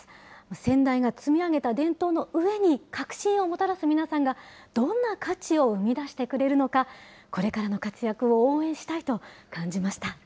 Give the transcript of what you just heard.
先代が積み上げた伝統の上に革新をもたらす皆さんが、どんな価値を生み出してくれるのか、これからの活躍を応援したいと感じました。